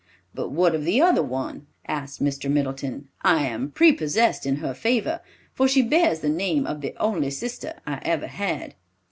"But what of the other one?" asked Mr. Middleton. "I am prepossessed in her favor, for she bears the name of the only sister I ever had."